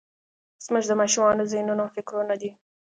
زموږ د ماشومانو ذهنونه او فکرونه دي.